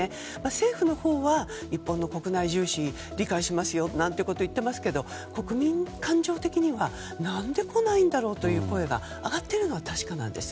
政府のほうは、日本の国内重視を理解しますよと言っていますが国民感情的には何で来ないんだろう？という声が上がっているのは確かなんです。